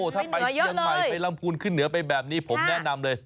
ถ้าไปเชียงใหม่ไปลำพูนขึ้นเหนือไปแบบนี้ผมแนะนำเลย